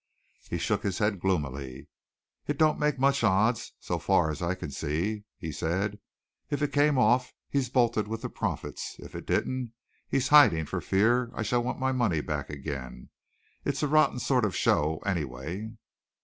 He shook his head gloomily. "It don't make much odds, so far as I can see," he said. "If it came off, he's bolted with the profits. If it didn't, he's hiding for fear I shall want my money back again. It's a rotten sort of show, anyway."